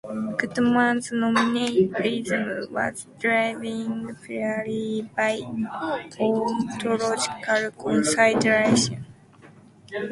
Goodman's nominalism was driven purely by ontological considerations.